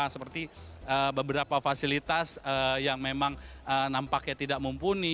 seperti beberapa fasilitas yang memang nampaknya tidak mumpuni